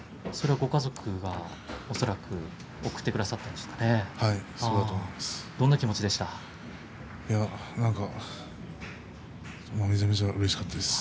ご家族が恐らく送ってくださったんですね。